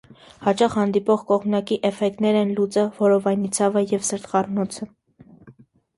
Հաճախ հանդիպող կողմնակի էֆեկտներն են լուծը, որովայնի ցավը և սրտխառնոցը։